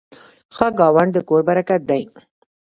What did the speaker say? ښه ګاونډ د کور برکت دی.